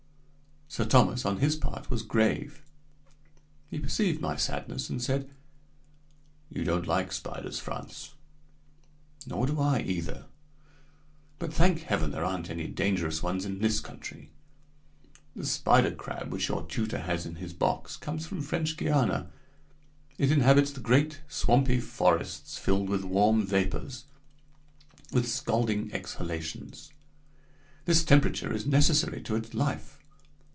Sir Thomas, on his part, was grave. He perceived my sadness and said: "You don't like spiders, Frantz, nor do I either. But thank Heaven, there aren't any dangerous ones in this country. The spider crab which your tutor has in his box comes from French Guiana. It inhabits the great, swampy forests filled with warm vapors, with scalding exhalations; this temperature is necessary to its life.